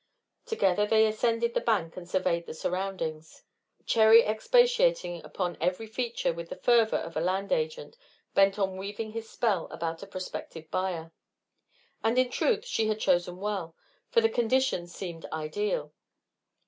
Together they ascended the bank and surveyed the surroundings, Cherry expatiating upon every feature with the fervor of a land agent bent on weaving his spell about a prospective buyer. And in truth she had chosen well, for the conditions seemed ideal.